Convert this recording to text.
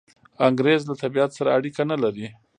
انګریز له طبیعت سره اړیکه نلري.